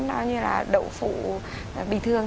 nó như là đậu phụ bình thường